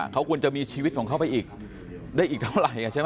เขาควรจะมีชีวิตของเขาไปอีกได้อีกเท่าไหร่ใช่ไหม